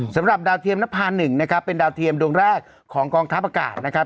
สำหรับดาวเทียมนภา๑นะครับเป็นดาวเทียมดวงแรกของกองทัพอากาศนะครับ